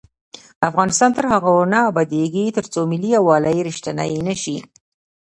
افغانستان تر هغو نه ابادیږي، ترڅو ملي یووالی رښتینی نشي.